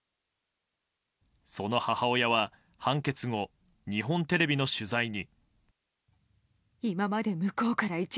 その母親は、判決後日本テレビの取材に。